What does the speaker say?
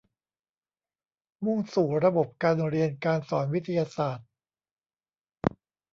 มุ่งสู่ระบบการเรียนการสอนวิทยาศาสตร์